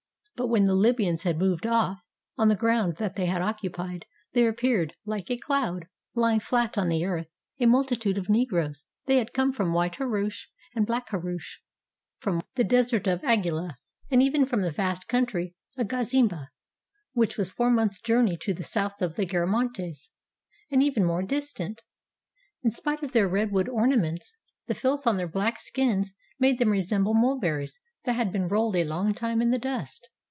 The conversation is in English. But when the Libyans had moved off, on the ground that they had occupied there appeared, Hke a cloud, lying flat on the earth, a multitude of Negroes: they had come f rom White Haroush and Black Haroush, from 280 THE CUTTING OF THE AQUEDUCT the desert of Augila, and even from the vast country of Agazymba, which was four months' journey to the south of the Garamantes, and even more distant! In spite of their redwood ornaments, the filth on their black skins made them resemble mulberries that had been rolled a long time in the dust.